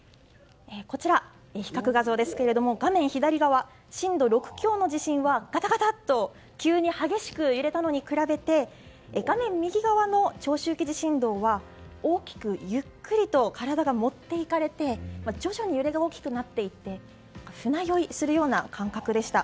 比較画像ですが画面左側震度６強の地震はガタガタと急に激しく揺れたのに比べて画面右の長周期地震動は大きくゆっくりと体が持っていかれて徐々に揺れが大きくなっていって船酔いするような感覚でした。